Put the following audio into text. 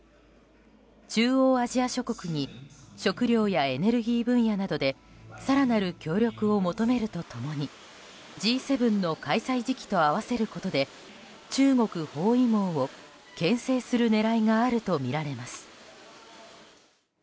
中央アジア諸国に食糧やエネルギー分野などで更なる協力を求めると共にＧ７の開催時期と合わせることで中国包囲網を牽制する狙いがあるとみられます。